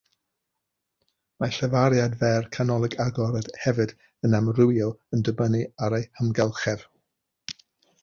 Mae'r llafariad fer canolig-agored hefyd yn amrywio yn dibynnu ar eu hamgylchedd.